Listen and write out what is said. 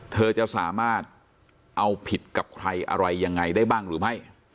เธอจะสามารถเอาผิดกับใครอะไรยังไงได้บ้างหรือไม่